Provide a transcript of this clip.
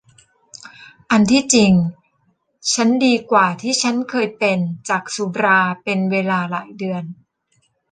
อันที่จริงฉันดีกว่าที่ฉันเคยเป็นจากสุราเป็นเวลาหลายเดือน